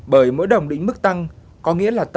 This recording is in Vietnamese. bởi mỗi đồng đỉnh mức tăng